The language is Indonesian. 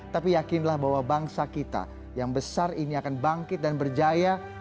tapi yakinlah bahwa bangsa kita yang besar ini akan bangkit dan berjaya